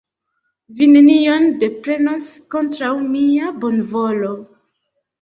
Vi nenion deprenos kontraŭ mia bonvolo.